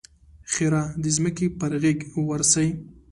ښېرا: د ځمکې پر غېږ ورسئ!